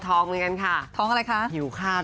ท้องอะไรคะ